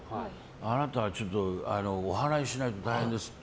あなたはちょっとおはらいしないと大変ですって